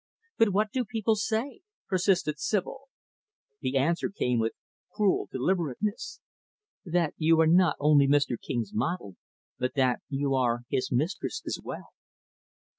"But what do people say?" persisted Sibyl. The answer came with cruel deliberateness; "That you are not only Mr. King's model, but that you are his mistress as well."